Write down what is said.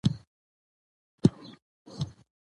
کرکټ یو نړۍوال مشهور ورزش دئ.